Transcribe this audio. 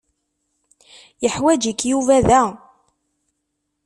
Yeḥwaǧ-ik Yuba da.